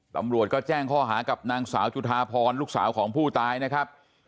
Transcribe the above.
ตำรวจก็แจ้งข้อหากับนางสาวจุธาพรลูกสาวของผู้ตายนะครับ